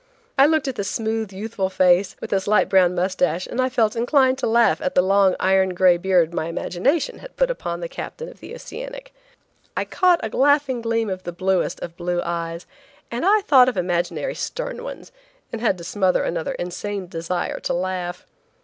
I looked at the smooth, youthful face, with its light brown moustache, and I felt inclined to laugh at the long iron gray beard my imagination had put upon the Captain of the Oceanic. I caught a laughing gleam of the bluest of blue eyes, and I thought of imaginary stern ones, and had to smother another insane desire to laugh.